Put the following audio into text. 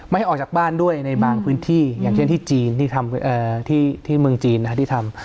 ไม่ให้ออกจากบ้านด้วยในบางพื้นที่อย่างเช่นที่จีนที่เมืองจีนที่ทำ